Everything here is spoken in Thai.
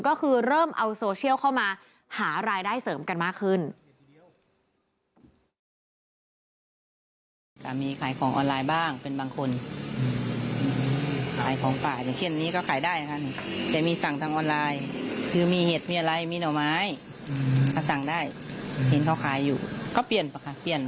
ก็คือเริ่มเอาโซเชียลเข้ามาหารายได้เสริมกันมากขึ้น